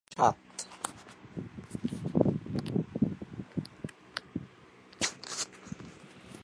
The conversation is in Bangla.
সাত